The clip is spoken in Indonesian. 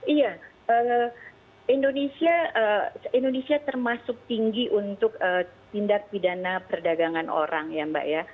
iya indonesia termasuk tinggi untuk tindak pidana perdagangan orang ya mbak ya